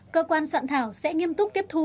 cơ quan soạn thảo sẽ nghiêm túc tiếp thu